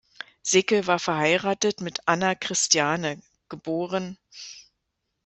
Sickel war verheiratet mit "Anna Christiane", geb.